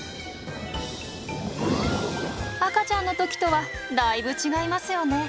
赤ちゃんの時とはだいぶ違いますよね。